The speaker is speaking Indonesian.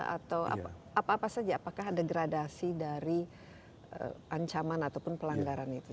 atau apa apa saja apakah ada gradasi dari ancaman ataupun pelanggaran itu